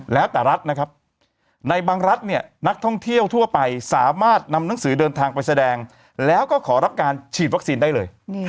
แล้วแต่รัฐนะครับในบางรัฐเนี่ยนักท่องเที่ยวทั่วไปสามารถนำหนังสือเดินทางไปแสดงแล้วก็ขอรับการฉีดวัคซีนได้เลย